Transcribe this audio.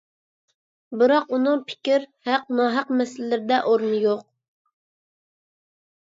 بىراق ئۆنىڭ «پىكىر» «ھەق-ناھەق» مەسىلىلىرىدە ئورنى يوق.